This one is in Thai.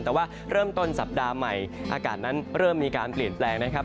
แต่ว่าเริ่มต้นสัปดาห์ใหม่อากาศนั้นเริ่มมีการเปลี่ยนแปลงนะครับ